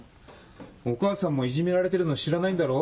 お母さんもいじめられてるの知らないんだろ？